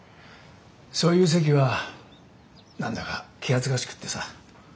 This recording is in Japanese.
そういう席は何だか気恥ずかしくってさ。